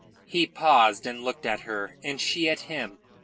He paused, and looked at her and she at him.